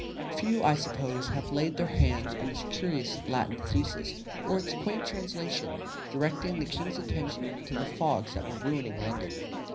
Few, I suppose, have laid their hands on this curious Latin thesis, or its quaint translation, directing the King's attention to the fogs that were ruining London.